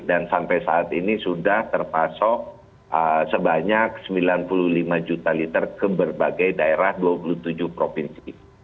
dan sampai saat ini sudah terpasok sebanyak sembilan puluh lima juta liter ke berbagai daerah dua puluh tujuh provinsi